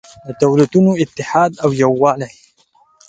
د دولتونو اتحاد او یووالی